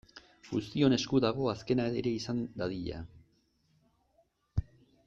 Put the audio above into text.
Guztion esku dago azkena ere izan dadila.